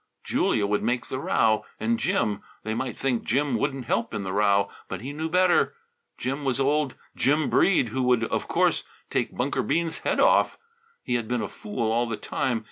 Julia would make the row. And Jim. They might think Jim wouldn't help in the row, but he knew better. Jim was old Jim Breede, who would of course take Bunker Bean's head off. He had been a fool all the time.